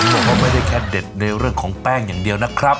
บอกว่าไม่ได้แค่เด็ดในเรื่องของแป้งอย่างเดียวนะครับ